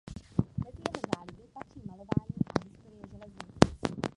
Mezi jeho záliby patří malování a historie železnic.